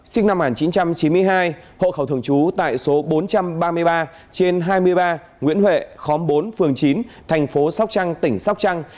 sinh năm một nghìn chín trăm chín mươi hai hộ khẩu thường trú tại số bốn trăm ba mươi ba trên hai mươi ba nguyễn huệ khóm bốn phường chín thành phố sóc trăng tỉnh sóc trăng